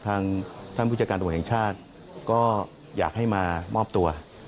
ท่านผู้จัดการตรวจแห่งชาติก็อยากให้มามอบตัว